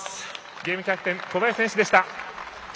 ゲームキャプテン小林選手でした。